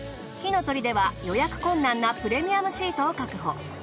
ひのとりでは予約困難なプレミアムシートを確保。